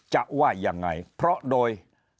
จะว่ายังไงเพราะโดย